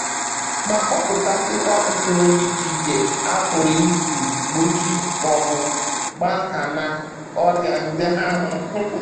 ma kpọpụtasịkwa usoro dị iche iche a pụrụ isi gbochie maọbụ gbanahị ọrịa ndị ahụ